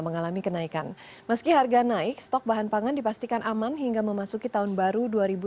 mengalami kenaikan meski harga naik stok bahan pangan dipastikan aman hingga memasuki tahun baru